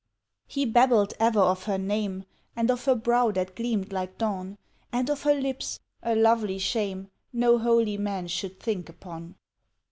He babbled ever of her name And of her brow that gleamed like dawn, And of her lips a lovely shame No holy man should think upon.